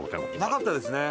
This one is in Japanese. なかったですね。